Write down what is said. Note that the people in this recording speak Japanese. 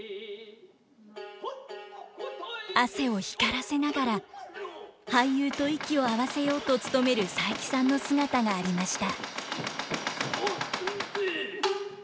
汗を光らせながら俳優と息を合わせようと努める佐伯さんの姿がありました。